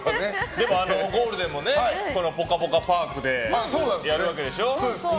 でもゴールデンもぽかぽかパークでやるわけでしょ。